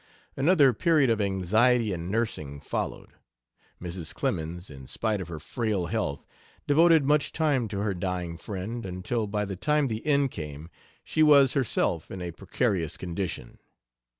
Another period of anxiety and nursing followed. Mrs. Clemens, in spite of her frail health, devoted much time to her dying friend, until by the time the end came she was herself in a precarious condition.